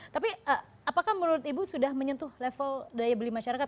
tapi apakah menurut ibu sudah menyentuh level daya beli masyarakat